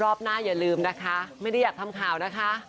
รอบหน้าอย่าลืมนะคะไม่ได้อยากทำข่าวนะคะ